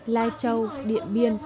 lai châu điện biên